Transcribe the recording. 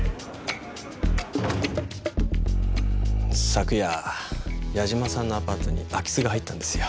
昨夜八嶋さんのアパートに空き巣が入ったんですよ。